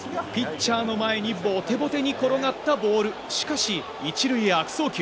ピッチャーの前にボテボテに転がったボール、しかし１塁へ悪送球。